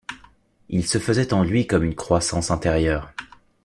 Il se faisait en lui comme une croissance intérieure.